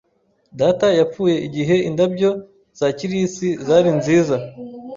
Data yapfuye igihe indabyo za kirisi zari nziza.